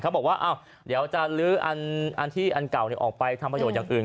บอกว่าเดี๋ยวจะลื้ออันที่อันเก่าออกไปทำประโยชน์อย่างอื่น